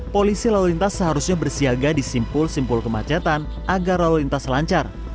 polisi lalu lintas seharusnya bersiaga di simpul simpul kemacetan agar lalu lintas lancar